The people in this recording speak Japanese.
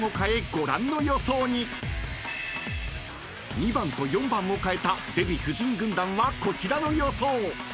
［２番と４番をかえたデヴィ夫人軍団はこちらの予想］